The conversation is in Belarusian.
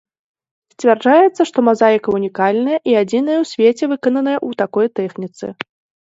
Сцвярджаецца, што мазаіка ўнікальная і адзіная ў свеце, выкананая ў такой тэхніцы.